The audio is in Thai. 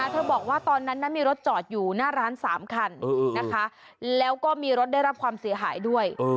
เธอบอกว่าตอนนั้นมีรถจอดอยู่หน้าร้าน๓คันนะคะแล้วก็มีรถได้รับความเสียหายด้วย